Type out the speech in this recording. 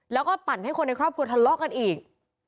แล้วก็ปั่นให้คนในครอบครัวทะเลาะกันอีก